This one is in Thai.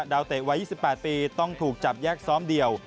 เตะวัย๒๘ปีต้องถูกจับแยกซ้อมเดียว